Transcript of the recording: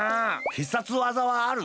必殺技はあるの？